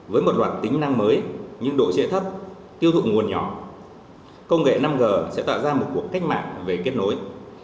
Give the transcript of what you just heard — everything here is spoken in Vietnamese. với một loạt tính năng mới nhưng độ trễ thấp tiêu thụ nguồn nhỏ công nghệ năm g sẽ tạo ra một cuộc cách mạng về kết nối